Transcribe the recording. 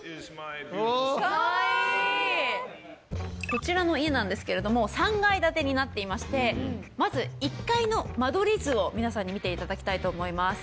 こちらの家なんですけれども３階建てになっていましてまず１階の間取り図を皆さんに見て頂きたいと思います。